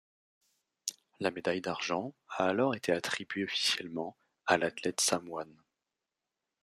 La médaille d'argent a alors été attribuée officiellement à l'athlète samoane.